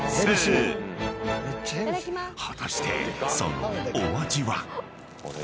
［果たしてそのお味は？］